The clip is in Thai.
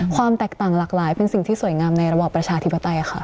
ความแตกต่างหลากหลายเป็นสิ่งที่สวยงามในระบอบประชาธิปไตยค่ะ